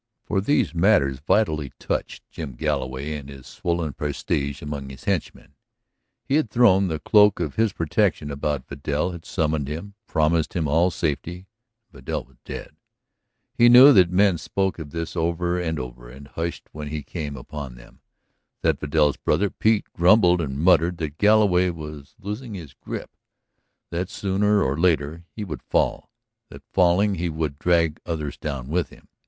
For these matters vitally touched Jim Galloway and his swollen prestige among his henchmen; he had thrown the cloak of his protection about Vidal, had summoned him, promised him all safety ... and Vidal was dead. He knew that men spoke of this over and over and hushed when he came upon them; that Vidal's brother, Pete, grumbled and muttered that Galloway was losing his grip, that soon or late he would fall, that falling he would drag others down with him.